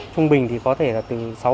trung bình thì có thể là